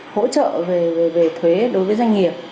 hỗ trợ về thuế đối với doanh nghiệp